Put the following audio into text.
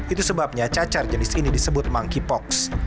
itu sebabnya cacar jenis ini disebut monkeypox